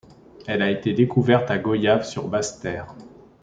Elle a été découverte à Goyave sur Basse-Terre.